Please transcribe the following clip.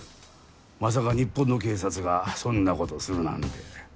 まさか日本の警察がそんなことするなんて。